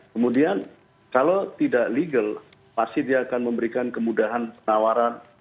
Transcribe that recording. kemudian kalau tidak legal pasti dia akan memberikan kemudahan penawaran